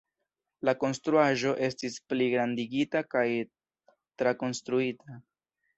La konstruaĵo estis pligrandigita kaj trakonstruita.